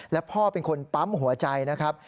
และพ่อเป็นคนปั๊มหัวใจนะครับ